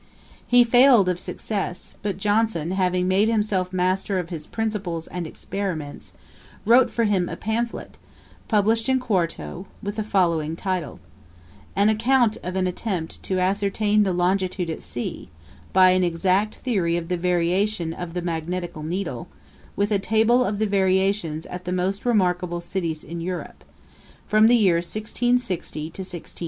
He failed of success; but Johnson having made himself master of his principles and experiments, wrote for him a pamphlet, published in quarto, with the following title: _An Account of an Attempt to ascertain the Longitude at Sea, by an exact Theory of the Variation of the Magnetical Needle; with a Table of the Variations at the most remarkable Cities in Europe, from the year 1660 to 1680_.